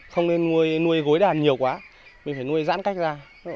không nên nuôi gối đàn nhiều quá mình phải nuôi giãn cách ra